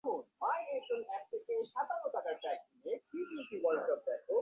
তিনি উত্তরাধিকারী Maria Bosch বেয়ার্ডকে বিয়ে করেন।